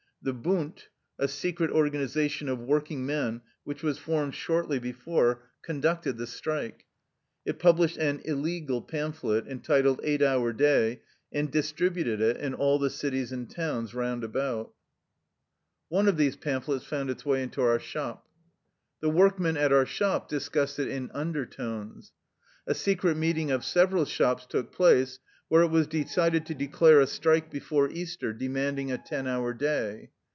The " Bund," a secret organization of working men which was formed shortly before, conducted the strike. It published an " illegal " pamphlet, entitled " Eight hour Day " and distributed it in all the cities and towns round about. One 21 THE LIFE STOEY OF A EUSSIAN EXILE of these pamphlets found its way into our shop. The workmen at our shop discussed it in un dertones. A secret meeting of several shops took place, where it was decided to declare a strike before Easter, demanding a ten hour day.